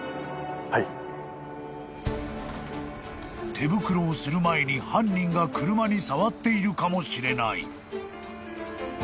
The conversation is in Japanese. ［手袋をする前に犯人が車に触っているかもしれない］